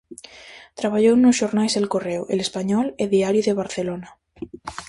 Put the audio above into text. Traballou nos xornais El Correo, El Español e Diario de Barcelona.